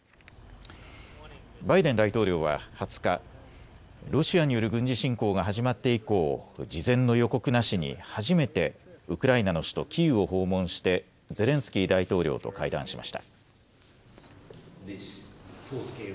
バイデン大統領は２０日、ロシアによる軍事侵攻が始まって以降、事前の予告なしに初めてウクライナの首都キーウを訪問してゼレンスキー大統領と会談しました。